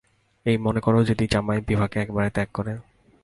এই মনে করো যদি জামাই বিভাকে একেবারে ত্যাগ করে।